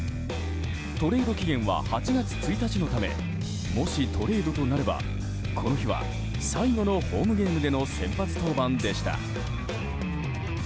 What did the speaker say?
トレード期限は８月１日のためもしトレードとなればこの日は最後のホームゲームでの先発登板でした。